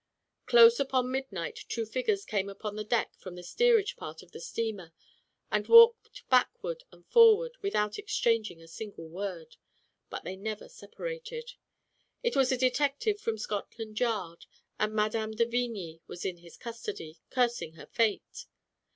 Close upon midnight two figures came upon deck from the steerage part of the steamer, and walked backward and forward without exchang ing a single word. But they never separated. It was a detective from Scotland Yard, arid Mme. de Vigny was in his custody, cursing her fate.